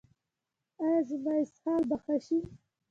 ایا زما اسهال به ښه شي؟